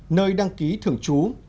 nơi đăng ký thường trú